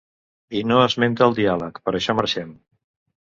I no esmenta el diàleg, per això marxem.